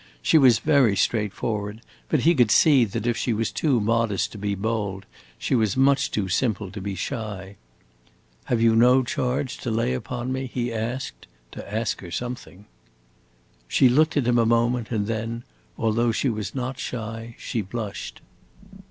She was very straightforward, but he could see that if she was too modest to be bold, she was much too simple to be shy. "Have you no charge to lay upon me?" he asked to ask her something. She looked at him a moment and then, although she was not shy, she blushed.